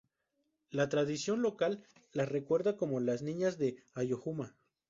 La tradición local las recuerda como las "Niñas de Ayohuma".